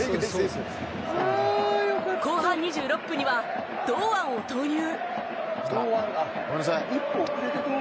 後半２６分には堂安を投入。